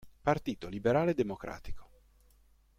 Partito Liberale Democratico